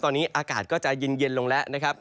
ตอนนี้อากาศก็จะเย็นลงแล้วนะครับ